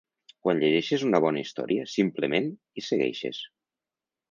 Quan llegeixes una bona història, simplement hi segueixes.